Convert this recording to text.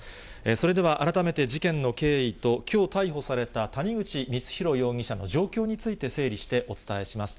それでは改めて、事件の経緯と、きょう逮捕された谷口光弘容疑者の状況について、整理してお伝えします。